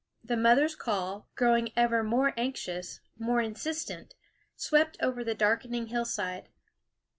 The mother's call, growing ever more anxious, more insistent, swept over the darkening hillside.